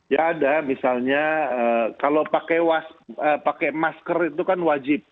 ya ada misalnya kalau pakai masker itu kan wajib